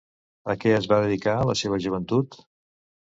A què es va dedicar en la seva joventut?